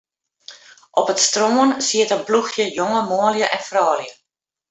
Op it strân siet in ploechje jonge manlju en froulju.